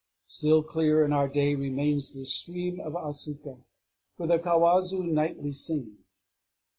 "Still clear in our day remains the stream of Asuka, where the kawazu nightly sing."